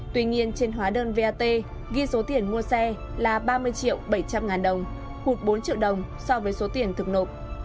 tuy nhiên trên hóa đơn vat ghi số tiền mua xe là ba mươi triệu bảy trăm linh ngàn đồng hụt bốn triệu đồng so với số tiền thực nộp